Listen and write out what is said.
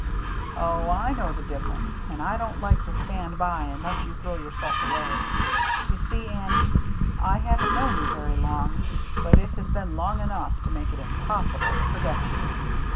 "Oh, I know the difference, and I don't like to stand by and let you throw yourself away. You see, Annie, I haven't known you very long, but it has been long enough to make it impossible to forget you.